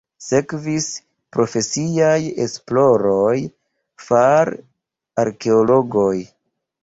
Sekvis profesiaj esploroj far arkeologoj.